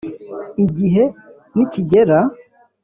igihe nikigera?